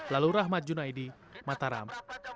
lalu rahmat junaidi mataram